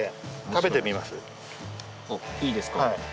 いいですか？